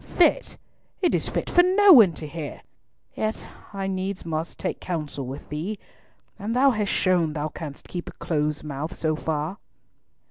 "Fit! It is fit for no one to hear! Yet I needs must take counsel with thee, and thou hast shown thou canst keep a close mouth so far."